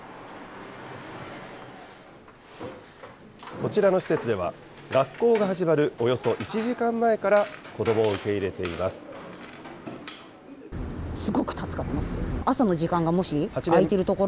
こちらの施設では、学校が始まるおよそ１時間前から子どもを受け入れています。